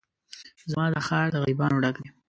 زما دا ښار د غريبانو ډک دی